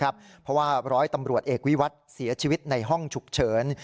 เพราะว่าร้อยตำรวจเอกวิวัตรเสียชีวิตในห้องฉุกเฉิน